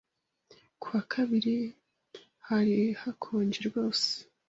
Ku wa kabiri, hari hakonje rwose.